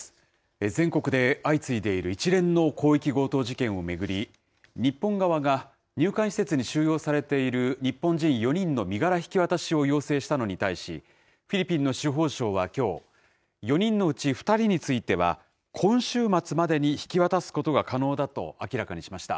全国で相次いでいる一連の広域強盗事件を巡り、日本側が入管施設に収容されている日本人４人の身柄引き渡しを要請したのに対し、フィリピンの司法相はきょう、４人のうち２人については今週末までに引き渡すことが可能だと明らかにしました。